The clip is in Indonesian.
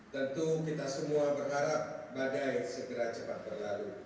tentu kita semua berharap badai segera cepat berlalu